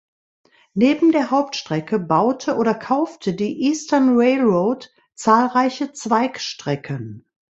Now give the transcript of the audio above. Neben der Hauptstrecke baute oder kaufte die Eastern Railroad zahlreiche Zweigstrecken.